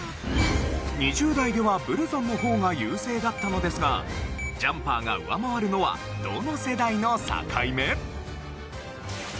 ２０代ではブルゾンの方が優勢だったのですがジャンパーが上回るのはどの世代の境目？